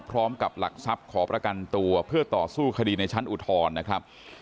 พร้อมกับหลักทรัพย์ขอประกันตัวเพื่อต่อสู้คดีในชั้นอุทธรณ์นะครับ